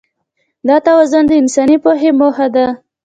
دا توازن د انساني پوهې موخه ده.